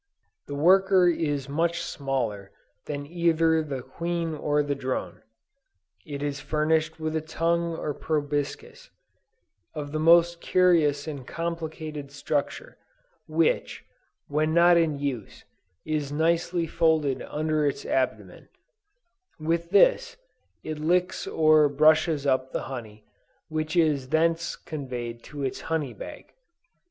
The worker is much smaller than either the queen or the drone. It is furnished with a tongue or proboscis, of the most curious and complicated structure, which, when not in use, is nicely folded under its abdomen; with this, it licks or brushes up the honey, which is thence conveyed to its honey bag.